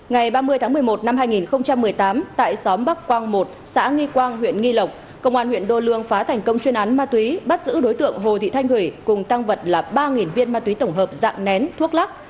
ngày ba mươi tháng một mươi một năm hai nghìn một mươi tám tại xóm bắc quang một xã nghi quang huyện nghi lộc công an huyện đô lương phá thành công chuyên án ma túy bắt giữ đối tượng hồ thị thanh thủy cùng tăng vật là ba viên ma túy tổng hợp dạng nén thuốc lắc